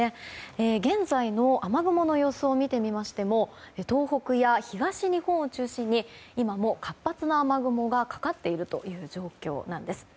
現在の雨雲の様子を見てみましても東北や東日本を中心に今も活発な雨雲がかかっているという状況です。